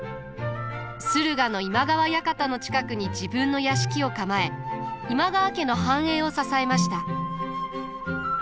駿河の今川館の近くに自分の屋敷を構え今川家の繁栄を支えました。